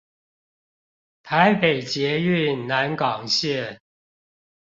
臺北捷運南港線